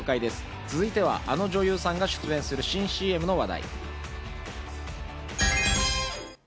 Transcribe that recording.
続いては、あの女優さんが出演する新ＣＭの話題。